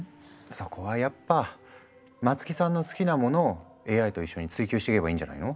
そこはやっぱ松木さんの好きなものをＡＩと一緒に追求していけばいいんじゃないの？